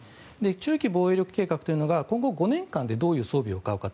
中期防衛力計画というのが今後５年間でどういうものを買うか。